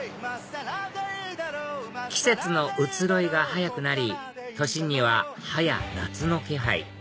季節の移ろいが早くなり都心にははや夏の気配